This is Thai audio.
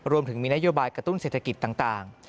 รวมถึงมีนโยบายกระตุ้นเศรษฐกิจต่าง